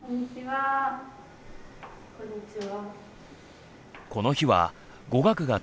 あこんにちは。